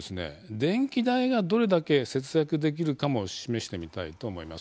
電気代がどれだけ節約できるかも示してみたいと思います。